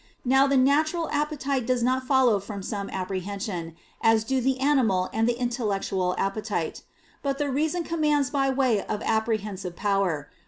Now the natural appetite does not follow from some apprehension, as [d]o the animal and the intellectual appetite. But the reason commands by way of apprehensive power.